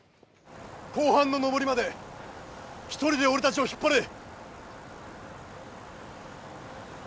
後半の上りまでひとりで俺たちを引っ張れ。